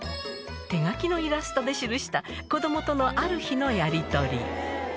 手書きのイラストで記した子どもとのある日のやり取り。